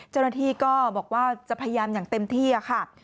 เจ้าหน้าที่ก็บอกว่าจะพยายามอย่างเต็มที่ค่ะ